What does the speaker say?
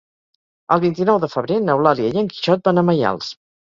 El vint-i-nou de febrer n'Eulàlia i en Quixot van a Maials.